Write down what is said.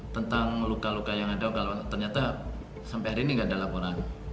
tentang luka luka yang ada kalau ternyata sampai hari ini nggak ada laporan